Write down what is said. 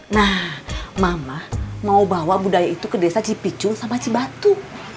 nah mama mau bawa budaya itu ke desa cipicul sama cibatu